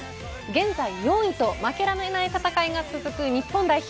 現在４位と負けられない戦いが続く日本代表。